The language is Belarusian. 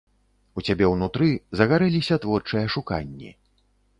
У цябе ўнутры загарэліся творчыя шуканні.